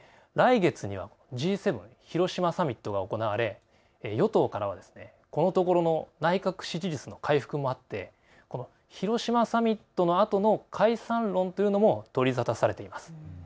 来月にはＧ７広島サミットが行われ与党からは、このところの内閣支持率の回復もあってこの広島サミットのあとの解散論も取り沙汰されています。